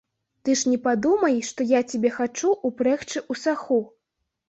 Ты ж не падумай, што я цябе хачу ўпрэгчы ў саху.